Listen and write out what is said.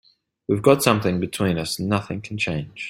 We've got something between us nothing can change.